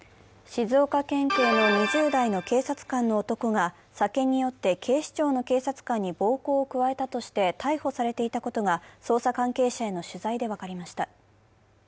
静岡県警の２０代の警察官の男が酒に酔って警視庁の警察官に暴行を加えたとして逮捕されていたことが捜査関係者への取材で分かりました。